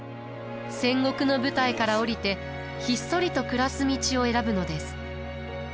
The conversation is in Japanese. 戦国の舞台から下りてひっそりと暮らす道を選ぶのです。